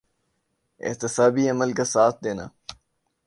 احتسابی عمل کا ساتھ دینا۔